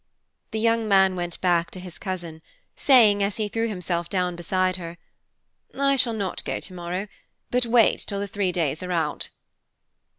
The young man went back to his cousin, saying, as he threw himself down beside her, "I shall not go tomorrow, but wait till the three days are out."